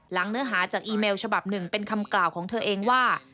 เนื้อหาจากอีเมลฉบับหนึ่งเป็นคำกล่าวของเธอเองว่า